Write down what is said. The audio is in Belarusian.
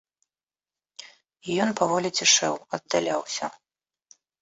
І ён паволі цішэў, аддаляўся.